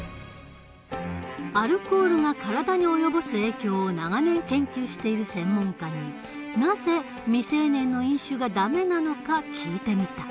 アルコールが体に及ぼす影響を長年研究している専門家になぜ未成年の飲酒がダメなのか聞いてみた。